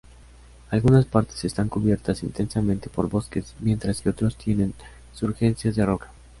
Algunas partes están cubiertas intensamente por bosques, mientras que otros tienen surgencias de roca.